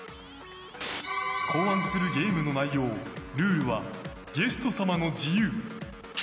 考案するゲームの内容、ルールはゲスト様の自由。